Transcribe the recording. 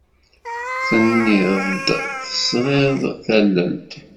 Tenniḍ-d tesriḍ tallelt.